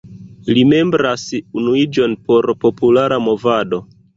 Li membras Unuiĝon por Popola Movado.